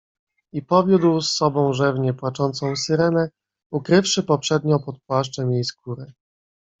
"I powiódł z sobą rzewnie płaczącą Syrenę, ukrywszy poprzednio pod płaszczem jej skórę."